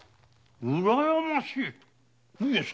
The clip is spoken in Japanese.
うらやましい⁉上様。